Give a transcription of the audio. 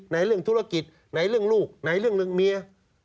เรื่องธุรกิจไหนเรื่องลูกไหนเรื่องเรื่องเมีย